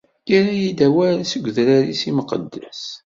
Irra-yi d awal seg udrar-is imqeddes.